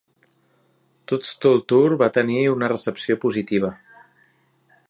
"Toadstool Tour" va tenir una recepció positiva.